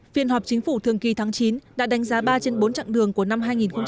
phiên họp chính phủ thường kỳ tháng chín đã đánh giá ba trên bốn chặng đường của năm hai nghìn một mươi chín